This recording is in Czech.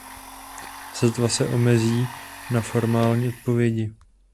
Sotva se omezí na formální odpovědi.